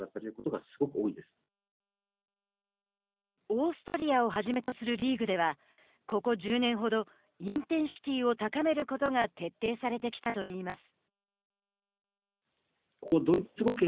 オーストリアを初めとするリーグではここ１０年ほどインテンシティを高めることが徹底されてきたといいます。